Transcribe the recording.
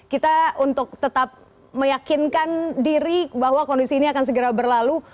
kita untuk tetap meyakinkan diri bahwa kondisi ini akan segera berlalu